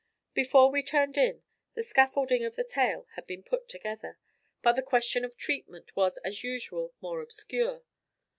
Before we turned in, the scaffolding of the tale had been put together. But the question of treatment was as usual more obscure.